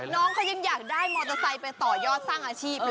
น้องเขายังอยากได้มอเตอร์ไซค์ไปต่อยอดสร้างอาชีพเลย